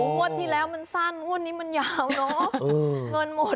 โหวันที่แล้วมันสั้นวันนี้มันยาวเนาะเงินหมดแล้วว่ะ